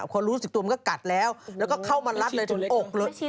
พอรู้สึกตัวมันก็กัดแล้วแล้วก็เข้ามารัดเลยถึงอกเลย